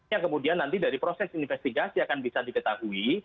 yang kemudian nanti dari proses investigasi akan bisa diketahui